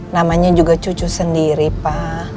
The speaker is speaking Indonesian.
namanya juga cucu sendiri pak